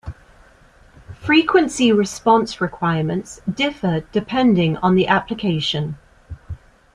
Frequency response requirements differ depending on the application.